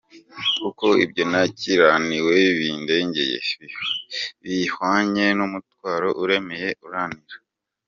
Kuko ibyo nakiraniwe bindengeye, Bihwanye n’umutwaro uremereye unanira.